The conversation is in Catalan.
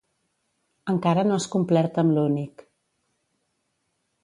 Encara no has complert amb l'únic.